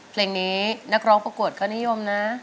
เพลงนี้นักร้องประกวดก็นิยมนะ